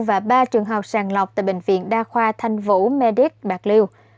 và ba trường hợp sàng lọc tại bệnh viện đa khoa thanh vũ medic bạc liêu